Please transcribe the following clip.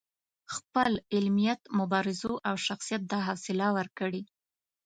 خپل علمیت، مبارزو او شخصیت دا حوصله ورکړې.